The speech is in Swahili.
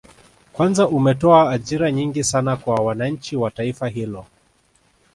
Kwanza umetoa ajira nyingi sana kwa wananchi wa taifa hilo